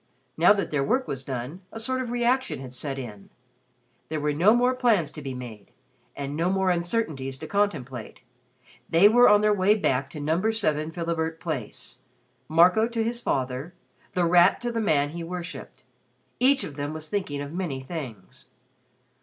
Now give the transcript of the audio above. Now that their work was done, a sort of reaction had set in. There were no more plans to be made and no more uncertainties to contemplate. They were on their way back to No. 7 Philibert Place Marco to his father, The Rat to the man he worshipped. Each of them was thinking of many things.